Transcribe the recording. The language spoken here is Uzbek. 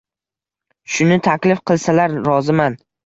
Shuni taklif qilsalar, roziman.